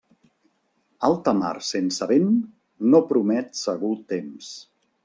Alta mar sense vent, no promet segur temps.